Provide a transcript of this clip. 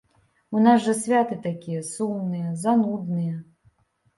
У нас жа святы такія сумныя, занудныя.